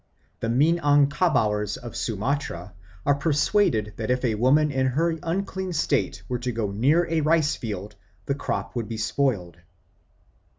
The Minangkabauers of Sumatra are persuaded that if a woman in her unclean state were to go near a rice field, the crop would be spoiled.